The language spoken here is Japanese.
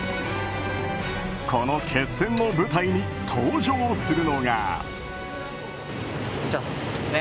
この決戦の舞台に登場するのが。